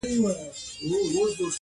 حقيقت د سور تر شا ورک پاتې کيږي تل,